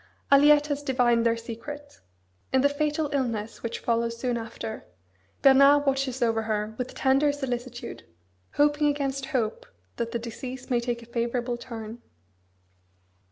Aliette has divined their secret. In the fatal illness which follows soon after, Bernard watches over her with tender solicitude; hoping against hope that the disease may take a favourable turn.